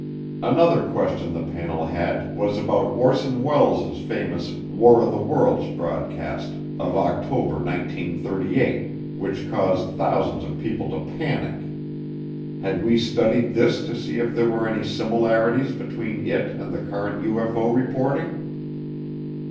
Another question the panel had was about Orson Welles' famous War of the Worlds broadcast of October 1938, which caused thousands of people to panic. Had we studied this to see if there were any similarities between it and the current UFO reporting?